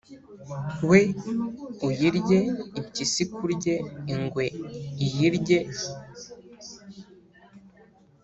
we uyirye, impyisi ikurye, ingwe iyirye